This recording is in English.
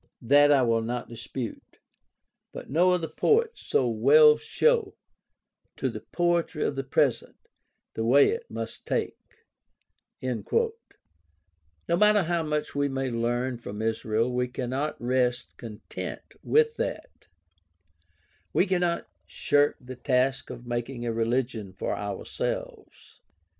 That I will not dispute. But no other poets so well show to the poetry of the present the OLD TESTAMENT AND RELIGION OF ISRAEL 157 way it must take.'" No matter how much we may learn from Israel, we cannot rest content with that. We cannot shirk the task of making a religion for ourselves.